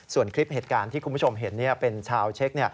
ส่วนคลิปเหตุการณ์ที่คุณผู้ชมเห็นเป็นชาวเช็ค